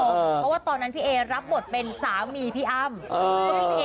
เพราะว่าตอนนั้นพี่เอรับบทเป็นสามีพี่อ้ำ